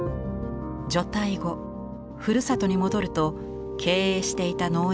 除隊後ふるさとに戻ると経営していた農園は破産。